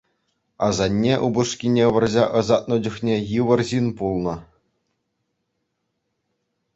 Асанне упӑшкине вӑрҫа ӑсатнӑ чухне йывӑр ҫын пулнӑ.